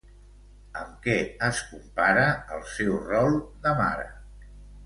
Amb què es compara el seu rol de mare?